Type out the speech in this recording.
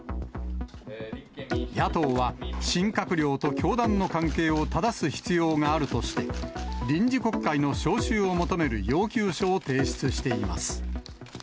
野党は、新閣僚と教団の関係をただす必要があるとして、臨時国会の召集を求める要求書を提出しています。